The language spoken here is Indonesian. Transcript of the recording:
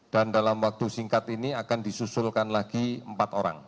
dan dalam waktu singkat ini akan disusulkan lagi empat orang